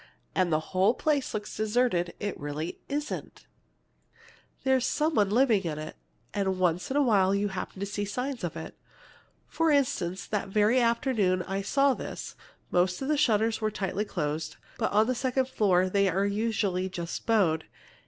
and the whole place looks deserted, it really isn't! There's some one living in it; and once in a long while you happen to see signs of it. For instance, that very afternoon I saw this: 'most all the shutters are tightly closed, but on the second floor they are usually just bowed.